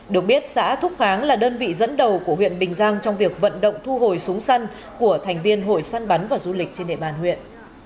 được biết xã thúc kháng là đơn vị dẫn đầu của huyện bình giang trong việc vận động thu hồi súng săn của thành viên hội săn bắn và du lịch trên địa bàn huyện